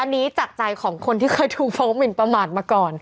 อันนี้จากใจของคนที่เคยถูกฟ้องหมินประมาทมาก่อน